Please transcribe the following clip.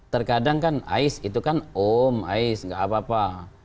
terkadang kan ais itu kan om ais gak apa apa